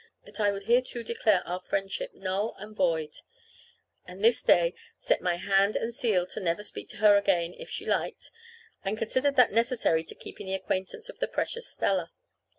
That I would hereto declare our friendship null and void, and this day set my hand and seal to never speak to her again, if she liked, and considered that necessary to keeping the acquaintance of the precious Stella.